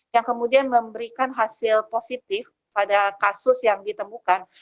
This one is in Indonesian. yang kemudian memberikan hasil positif pada kasus yang ditemukan